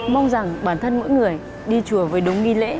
mong rằng bản thân mỗi người đi chùa với đúng nghi lễ